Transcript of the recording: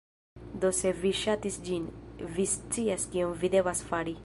Do se vi ŝatis ĝin, vi scias kion vi devas fari